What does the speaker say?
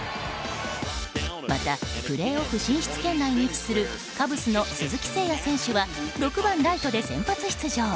またプレーオフ進出圏内に位置するカブスの鈴木誠也選手は６番ライトで先発出場。